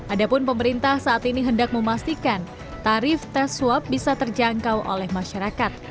adapun pemerintah saat ini hendak memastikan tarif tes swab bisa terjangkau oleh masyarakat